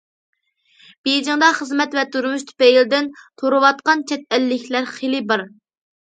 بېيجىڭدا خىزمەت ۋە تۇرمۇش تۈپەيلىدىن تۇرۇۋاتقان چەت ئەللىكلەر خېلى بار.